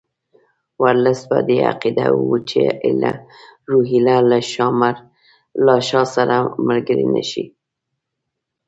ورلسټ په دې عقیده وو چې روهیله له شاه سره ملګري نه شي.